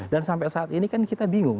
dan sampai saat ini kan kita bingung